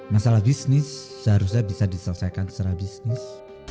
masalah bisnis seharusnya bisa diselesaikan secara bisnis